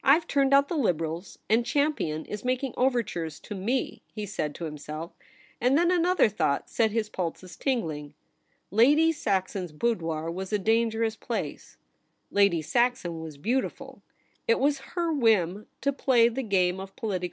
Tve turned out the Liberals, and Champion is making overtures to me,' he said to him self. And then another thought set his pulses tingling. Lady Saxon's boudoir was a dangerous place ; Lady Saxon was beautiful ; it was her whim to play the game of political 'IF YOU WERE QUEEN.'